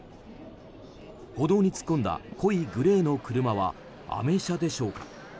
歩道に突っ込んだ濃いグレーの車は、アメ車でしょうか。